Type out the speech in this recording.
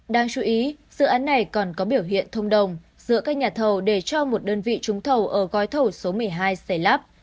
đáng chú ý dự án này còn có biểu hiện thông đồng giữa các nhà thầu để cho một đơn vị trúng thầu ở gói thẩu số một mươi hai xây lắp